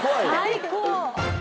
最高！